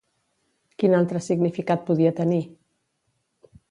Quin altre significat podia tenir?